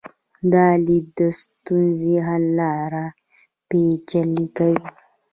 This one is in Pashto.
دا لید د ستونزې حل لا پیچلی کوي.